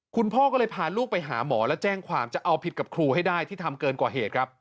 คุณพ่อก็เลยพาลูกไปหาหมอและแจ้งความจะเอาผิดกับครูให้ได้ที่ทำเกินกว่าเหตุครับ